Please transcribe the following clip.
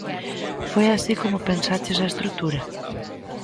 Foi así como pensaches a estrutura?